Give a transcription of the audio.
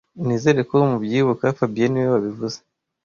Nizere ko mubyibuka fabien niwe wabivuze